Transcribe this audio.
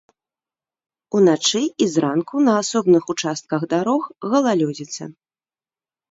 Уначы і зранку на асобных участках дарог галалёдзіца.